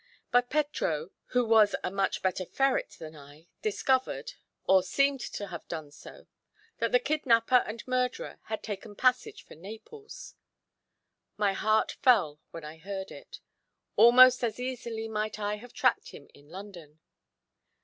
But Petro, who was a much better ferret than I, discovered, or seemed to have done so, that the kidnapper and murderer had taken passage for Naples. My heart fell when I heard it; almost as easily might I have tracked him in London.